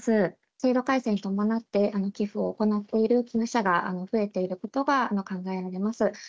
制度改正に伴って寄付を行っている寄付者が増えていることが考え